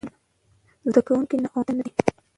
زده کوونکي ناامیده نه دي.